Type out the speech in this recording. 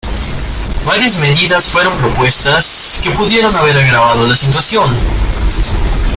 Varias medidas fueron propuestas que pudieron haber agravado la situación.